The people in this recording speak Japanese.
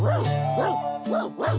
ワンワンワン！